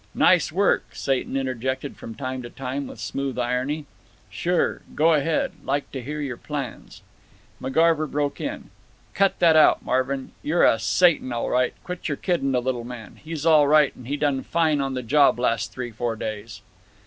"Nice work," Satan interjected from time to time, with smooth irony. "Sure. Go ahead. Like to hear your plans." McGarver broke in: "Cut that out, Marvin. You're a 'Satan' all right. Quit your kidding the little man. He's all right. And he done fine on the job last three four days."